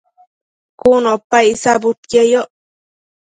cun opa icsabudquieyoc